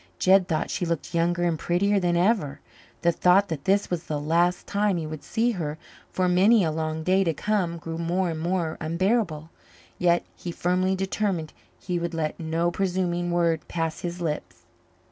Jed thought she looked younger and prettier than ever. The thought that this was the last time he would see her for many a long day to come grew more and more unbearable, yet he firmly determined he would let no presuming word pass his lips.